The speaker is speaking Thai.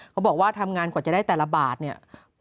เขาบอกว่าทำงานกว่าจะได้แต่ละบาทเนี่ย